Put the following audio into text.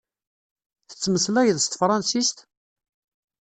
Tettmeslayeḍ s tefransist?